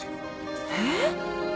えっ！？